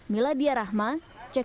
miladia rahman ckt